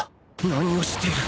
何をしている！？